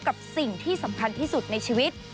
กับสิ่งที่สำคัญที่สุดในชีวิต